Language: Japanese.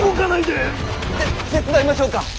て手伝いましょうか。